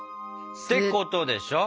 てことでしょ？